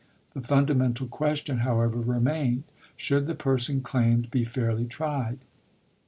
The fundamental question, however, remained. Should the person claimed be fairly tried?